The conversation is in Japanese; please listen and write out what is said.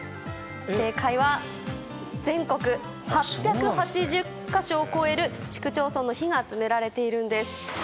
正解は、全国８８０か所を超える市区町村の火が集められているんです。